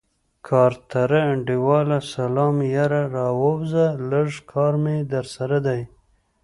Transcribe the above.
کارتره انډيواله سلام يره راووځه لږ کار مې درسره دی.